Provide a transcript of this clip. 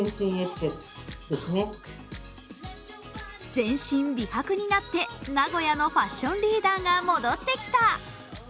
全身、美白になって名古屋のファッションリーダーが戻ってきた。